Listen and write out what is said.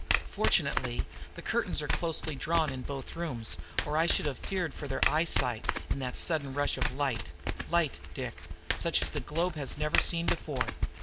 Fortunately, the curtains are closely drawn in both rooms, or I should have feared for their eyesight in that sudden rush of light light, Dick, such as this globe has never seen before!